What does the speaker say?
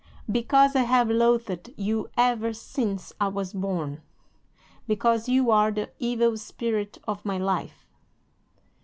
"'"Because I have loathed you ever since I was born. Because you are the evil spirit of my life."